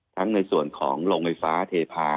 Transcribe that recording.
ทั้งในส่วนของลงไฟฟ้าเทพาะ